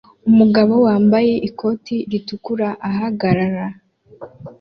Umugabo wambaye ikoti ritukura ahagarara